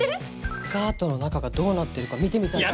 スカートの中がどうなってるか見てみたいとか。